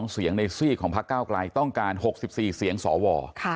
๒เสียงในซีกของพักเก้าไกลต้องการ๖๔เสียงสว